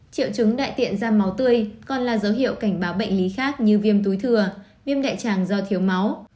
triệu chứng đại tiện ra máu tươi còn là dấu hiệu cảnh báo bệnh lý khác như viêm túi thừa viêm đại tràng do thiếu máu